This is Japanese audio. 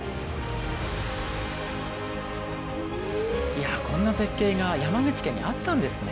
いやこんな絶景が山口県にあったんですね。